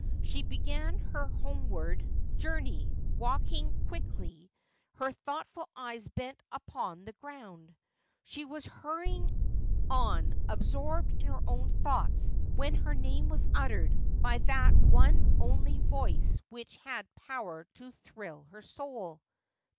She began her homeward 346 Asphodel, journey, walking quickly, her thoughtful eyes bent upon the ground. She was hurrying on, absorbed in her own thoughts, when her name was uttered by that one only voice which had power to thrill her soul.